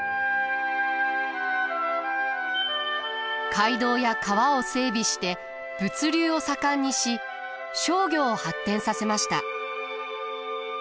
街道や川を整備して物流を盛んにし商業を発展させました。